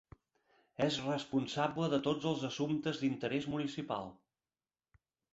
És responsable de tots els assumptes d'interès municipal.